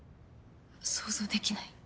想像できない。